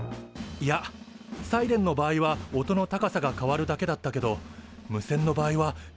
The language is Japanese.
いやサイレンの場合は音の高さが変わるだけだったけど無線の場合は通信ができなくなってしまうんだ。